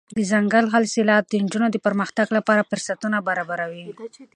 دځنګل حاصلات د نجونو د پرمختګ لپاره فرصتونه برابروي.